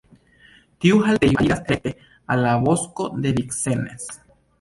Tiu haltejo aliras rekte al la Bosko de Vincennes.